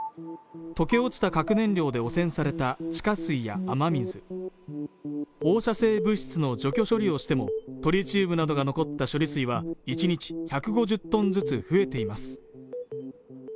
溶け落ちた核燃料で汚染された地下水や雨水放射性物質の除去処理をしてもトリチウムなどが残った処理水は１日１５０トンずつ増えています